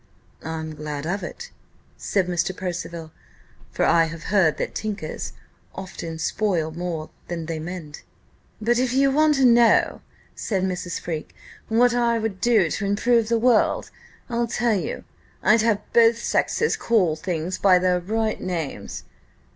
"I'm glad of it," said Mr. Percival; "for I have heard that tinkers often spoil more than they mend." "But if you want to know," said Mrs. Freke, "what I would do to improve the world, I'll tell you: I'd have both sexes call things by their right names."